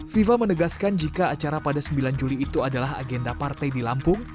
fifa menegaskan jika acara pada sembilan juli itu adalah agenda partai di lampung